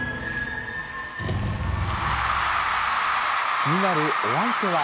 気になるお相手は。